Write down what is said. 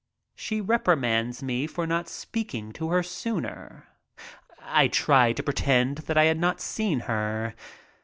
She reprimands me for not speaking to her sooner. I try to pretend that I had not seen her.